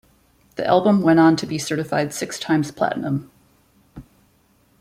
The album went on to be certified six-times-platinum.